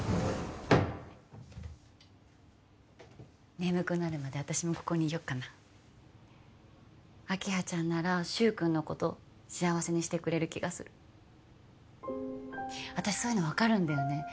眠くなるまで私もここにいよっかな明葉ちゃんなら柊君のこと幸せにしてくれる気がする私そういうの分かるんだよね